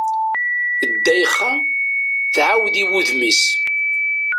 Ddayxa tɛawed i wudem-is.